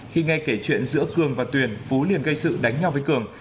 khi nghe kể chuyện giữa cường và tuyền phú liền gây sự đánh nhau với cường